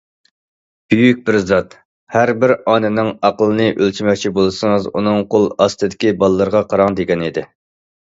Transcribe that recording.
بۈيۈك بىر زات:‹‹ ھەربىر ئانىنىڭ ئەقلىنى ئۆلچىمەكچى بولسىڭىز، ئۇنىڭ قول ئاستىدىكى بالىلىرىغا قاراڭ›› دېگەنىدى.